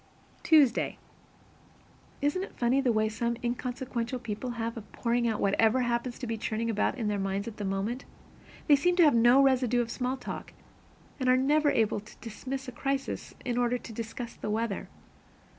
Tuesday. Isn't it funny, the way some inconsequential people have of pouring out whatever happens to be churning about in their minds at the moment? They seem to have no residue of small talk, and are never able to dismiss a crisis in order to discuss the weather.